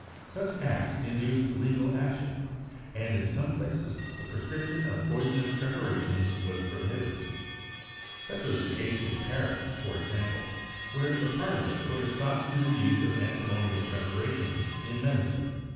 Such acts induced legal action, and in some places the prescription of poisonous preparations was prohibited. Such was the case in Paris, for example, where the parliament put a stop to the use of antimonial preparations in medicine.